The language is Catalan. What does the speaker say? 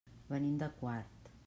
Venim de Quart.